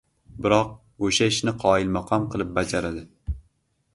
biroq o‘sha ishni qoyilmaqom qilib bajaradi.